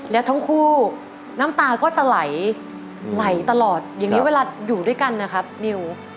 แล้วทั้งคู่น้ำตาก็จะไหลไหลตลอดอย่างนี้เวลาอยู่ด้วยกันนะครับนิว